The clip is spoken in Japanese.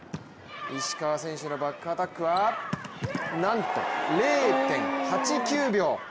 石川選手のバックアタックはなんと０．８９秒。